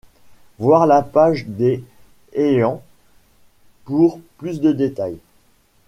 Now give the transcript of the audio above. Voir la page des Heian pour plus de détails.